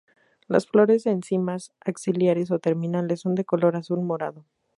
Las flores en cimas axilares o terminales, son de color azul-morado.